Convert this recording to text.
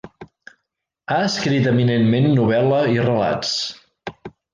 Ha escrit eminentment novel·la i relats.